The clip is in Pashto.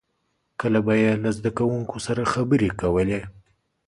• کله به یې له زدهکوونکو سره خبرې کولې.